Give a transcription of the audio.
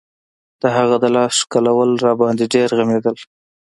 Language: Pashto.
د هغه د لاس ښکلول راباندې ډېر غمېدل.